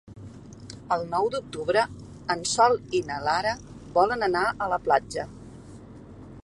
El nou d'octubre en Sol i na Lara volen anar a la platja.